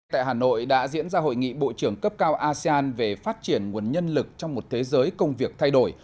tại hà nội đã diễn ra hội nghị bộ trưởng cấp cao asean về phát triển nguồn nhân lực trong một thế giới công việc thay đổi